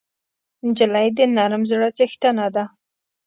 نجلۍ د نرم زړه څښتنه ده.